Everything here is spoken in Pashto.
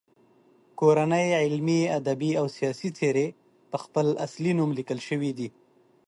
کورنۍ علمي، ادبي او سیاسي څیرې په خپل اصلي نوم لیکل شوي دي.